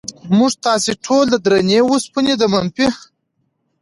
موږ تاسې ټول د درنې وسپنې د منفي